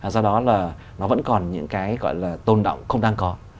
do đó là nó vẫn còn những cái gọi là tôn động không đang có